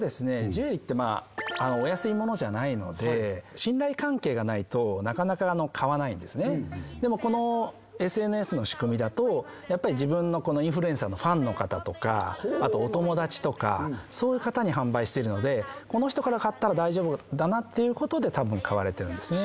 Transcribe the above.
ジュエリーってお安いものじゃないので信頼関係がないとなかなか買わないんですねでもこのＳＮＳの仕組みだと自分のインフルエンサーのファンの方とかあとお友達とかそういう方に販売しているのでこの人から買ったら大丈夫だなっていうことで多分買われているんですね